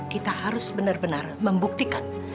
kita harus benar benar membuktikan